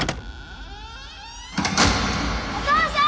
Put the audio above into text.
お父さん！